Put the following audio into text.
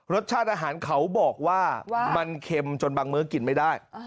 รสชาติอาหารเขาบอกว่ามันเค็มจนบางมื้อกินไม่ได้